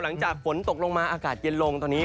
หลังจากฝนตกตัดลงมาแรงอากาศเย็นลง